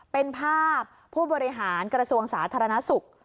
เป็นภาพผู้บริหารกระทรวงสาธารณสุข